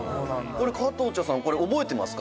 「これ、加藤茶さん覚えてますか？